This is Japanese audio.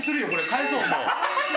返そうもう。